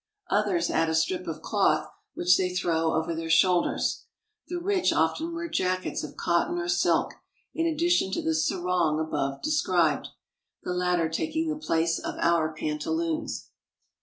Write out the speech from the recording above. Others add a strip of cloth which they throw over their shoulders. The rich often wear jackets of cot ton or silk, in addition to the sarong above described, the latter taking the place of our pantaloons.